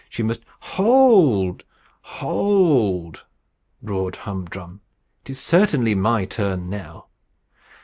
She must " "Hold, h o o old!" roared Hum Drum. "It is certainly my turn now.